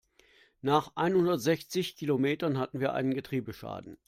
Nach einhundertsechzig Kilometern hatten wir einen Getriebeschaden.